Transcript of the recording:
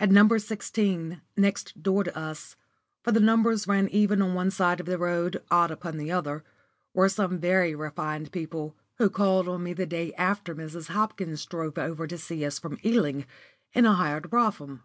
At No. 16, next door to us (for the numbers ran even on one side of the road, odd upon the other), were some very refined people, who called on me the day after Mrs. Hopkins drove over to see us from Ealing, in a hired brougham.